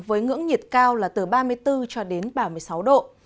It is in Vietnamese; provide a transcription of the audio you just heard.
với ngưỡng nhiệt cao là từ ba mươi bốn cho đến ba mươi sáu độ